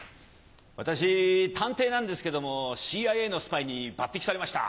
私探偵なんですけどもＣＩＡのスパイに抜擢されました。